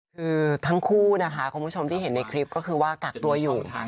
คือทั้งคู่นะคะคุณผู้ชมที่เห็นในคลิปก็คือว่ากักตัวอยู่